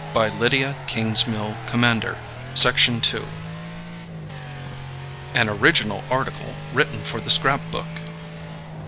BY LYDIA KINGSMILL COMMANDER. An original article written for THE SCRAP BOOK.